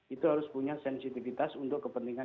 itu harus punya sensitivitas untuk kepentingan